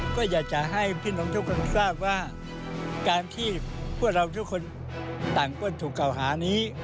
ก็อยากจะให้พี่น้องทุกคนทราบว่าการที่พวกเราทุกคนต่างป้นถูกเก่าหานี้